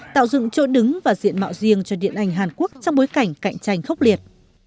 tạo dựng chỗ đứng và diện mạo riêng cho điện ảnh hàn quốc trong bối cảnh cạnh tranh khốc liệt